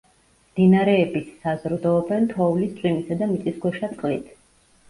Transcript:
მდინარეების საზრდოობენ თოვლის, წვიმისა და მიწისქვეშა წყლით.